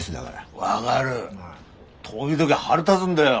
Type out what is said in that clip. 時々腹立づんだよ